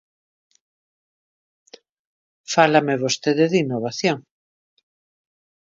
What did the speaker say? Fálame vostede de innovación.